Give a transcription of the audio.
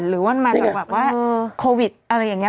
หรือว่ามาจากแบบว่าโควิดอะไรอย่างนี้